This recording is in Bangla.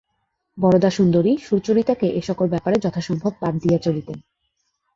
বরদাসুন্দরী সুচরিতাকে এ-সকল ব্যাপারে যথাসম্ভব বাদ দিয়া চলিতেন।